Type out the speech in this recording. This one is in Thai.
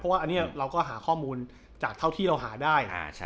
เพราะว่าเราก็หาข้อมูลจากเท่าที่เราหาได้